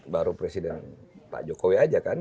baru presiden pak jokowi aja kan